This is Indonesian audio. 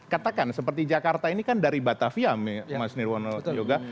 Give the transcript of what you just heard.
katakan seperti jakarta ini kan dari batavia mas nirwono yoga